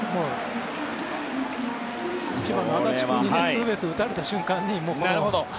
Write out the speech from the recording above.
１番の安達君にツーベースを打たれた瞬間に。